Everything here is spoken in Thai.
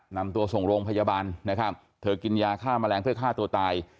นำตัวส่งโรงพยาบาลนะครับเธอกินยาฆ่าแมลงเพื่อฆ่าตัวตาย